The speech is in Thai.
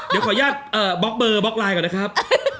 เดี๋ยวขออนุญาตบล็อกเบอร์บล็อกไลน์ก่อนนะครับ